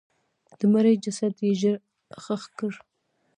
د مړي جسد یې ژر ښخ کړ.